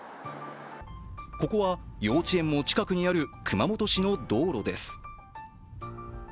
ここは幼稚園も近くにある熊本市の道路です。